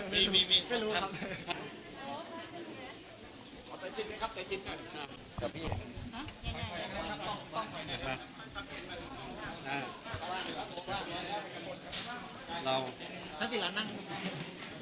มีไม่รู้ครับ